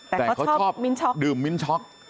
แต่เขาชอบดื่มมิ้นช็อก